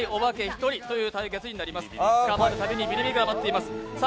捕まるたびにビリビリが待っています。